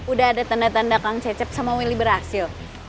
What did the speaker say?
udah ada tanda tanda kang cecep sama willy berhasil